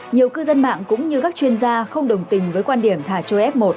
nhiều cư dân mạng cũng như các chuyên gia không đồng tình với quan điểm thả trôi f một